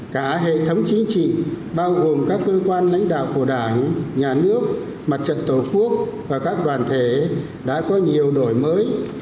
cả hệ thống chính trị bao gồm các cơ quan lãnh đạo của đảng nhà nước mặt trận tổ quốc và các đoàn thể đã có nhiều đổi mới